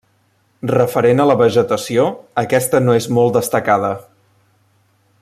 Referent a la vegetació, aquesta no és molt destacada.